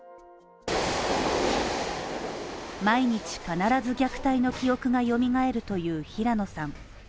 毎日必ず虐待の記憶がよみがえるという平野さん。